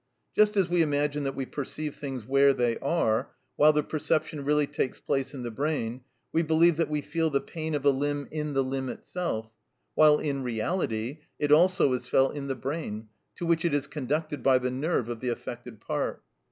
Just as we imagine that we perceive things where they are, while the perception really takes place in the brain, we believe that we feel the pain of a limb in the limb itself, while in reality it also is felt in the brain, to which it is conducted by the nerve of the affected part.